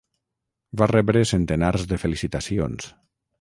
Va rebre centenars de felicitacions.